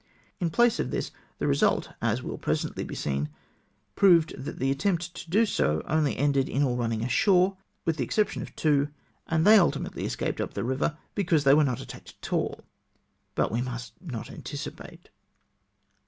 In place of this the result, as will presently be seen, proved that the attempt to do so only ended in all running ashore, with the exception of two, and they ultimately escaped up the river because they were not attacked at all! But we must not anticipate.